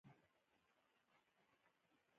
د رنګ جوړولو په وخت کې له کاري جامو څخه کار واخلئ.